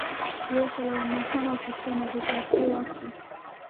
یو سل او نهمه پوښتنه د ترفیع وخت دی.